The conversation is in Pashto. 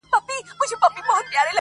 یوه بل ته یې کتل دواړه حیران سول!